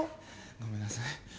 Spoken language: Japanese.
ごめんなさい。